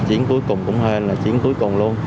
chiến cuối cùng cũng hai là chiến cuối cùng luôn